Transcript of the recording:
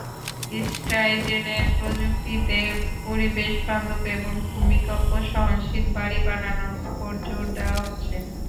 স্টাইজেনের প্রযুক্তিতে পরিবেশবান্ধব এবং ভূমিকম্প সহনশীল বাড়ি বানানোর ওপর জোর দেওয়া হচ্ছে।